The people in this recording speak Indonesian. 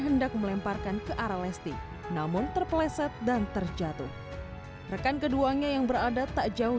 hendak melemparkan ke arah lesti namun terpeleset dan terjatuh rekan keduanya yang berada tak jauh